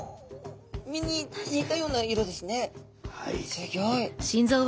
すギョい。